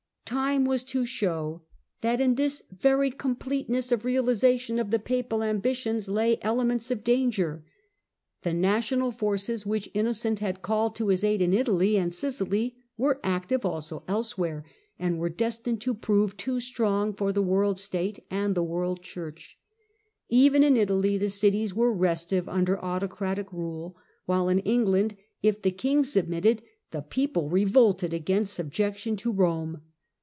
Time was to show that in this very completeness of realization of the papal ambitions lay elements 184 THE CENTRAL PERIOD OF THE MIDDLE AGE of danger. The national forces which Innocent had called to his aid in Italy and Sicily were active also elsewhere, and were destined to prove too strong for the World State and the World Church. Even in Italy the cities were restive under autocratic rule, while in England, if the king submitted, the people revolted against subjection to Rome.